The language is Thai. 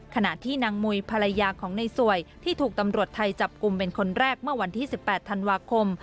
ขณะที่นางมุยภรรยาของในสวยที่ถูกตำรวจไทยจับกลุ่มเป็นคนแรกเมื่อวันที่๑๘ธันวาคม